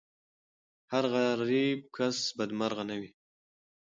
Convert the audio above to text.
هر غریب کس بدمرغه نه وي.